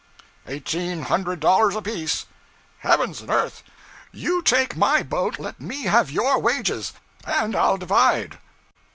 'Eighteen hundred dollars apiece.' 'Heavens and earth! You take my boat, let me have your wages, and I'll divide!'